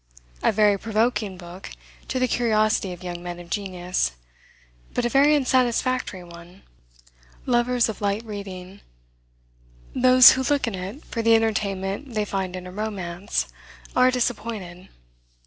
A very provoking book to the curiosity of young men of genius, but a very unsatisfactory one. Lovers of light reading, those who look in it for the entertainment they find in a romance, are disappointed.